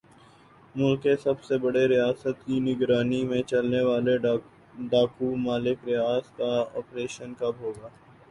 ملک کے سب سے بڑے ریاست کی نگرانی میں چلنے والے ڈاکو ملک ریاض کا آپریشن کب ھوگا